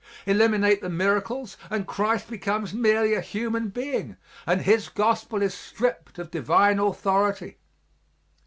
Eliminate the miracles and Christ becomes merely a human being and His gospel is stript of divine authority.